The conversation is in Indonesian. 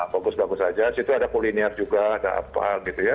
bagus bagus saja situ ada kuliner juga ada apa gitu ya